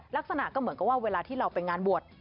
ลักษณะก็เหมือนกับว่าเวลาที่เราไปงานบวช